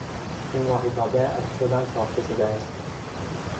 این ماهیتابه از چدن ساخته شده است.